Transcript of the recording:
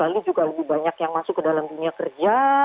lalu juga lebih banyak yang masuk ke dalam dunia kerja